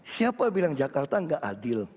siapa bilang jakarta nggak adil